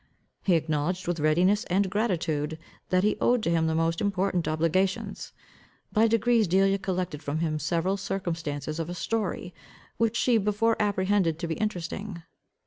He acknowledged with readiness and gratitude, that he owed to him the most important obligations. By degrees Delia collected from him several circumstances of a story, which she before apprehended to be interesting.